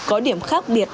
có điểm khác biệt